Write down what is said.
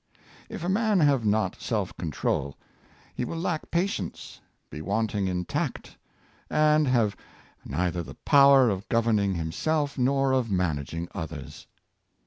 If a man have not self control, he will lack patience, be wanting in tact, and have neither the power of gov erning himself nor of managing others.